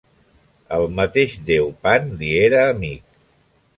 El mateix déu Pan li era amic.